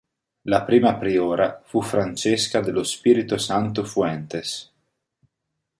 La prima priora fu Francesca dello Spirito Santo Fuentes.